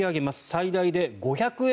最大で５００円